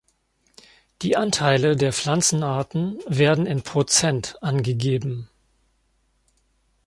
Die Anteile der Pflanzenarten werden in Prozent angegeben.